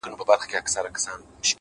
علم د پرمختګ اساس جوړوي؛